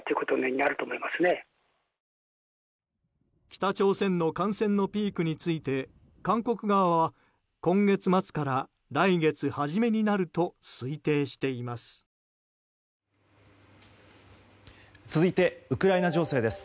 北朝鮮の感染のピークについて韓国側は、今月末から来月初めになると推定しています。